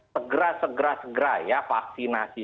segera segera ya vaksinasi